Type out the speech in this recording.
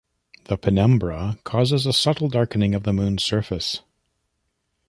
The penumbra causes a subtle darkening of the moon's surface.